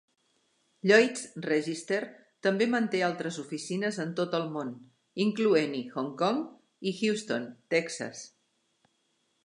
Lloyd's Register també manté altres oficines en tot el món, incloent-hi Hong Kong i Houston, Texas.